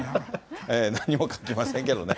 何も書きませんけどね。